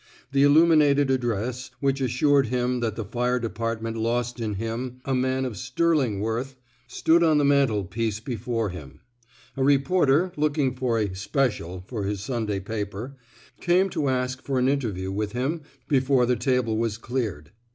The illuminated address, which assured him that the fire department lost in him a man of " sterling worth," stood on 280 NOT FOE PUBLICATION the painted mantelpiece before him. A re porter, looking for a special '* for his Sunday paper, came to ask for an interview with him before the table was cleared.